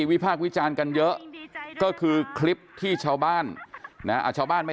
วิพาควิจารณ์กันเยอะก็คือคลิปที่ชาวบ้านครับชาวบ้านไม่